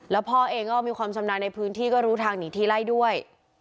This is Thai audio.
แล้วพ่อเองก็มีความชำนาญในพื้นที่ก็รู้ทางหนีทีไล่ด้วย